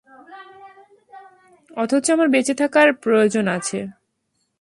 অথচ আমার বেঁচে থাকার প্রয়োজন আছে।